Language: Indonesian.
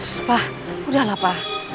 sspa udahlah pa